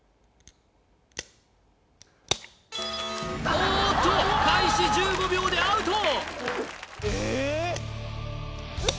おおっと開始１５秒でアウト！